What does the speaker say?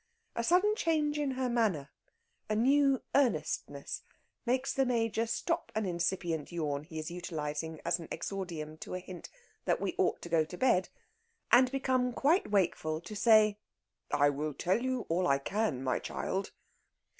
A sudden change in her manner, a new earnestness, makes the Major stop an incipient yawn he is utilising as an exordium to a hint that we ought to go to bed, and become quite wakeful to say: "I will tell you all I can, my child."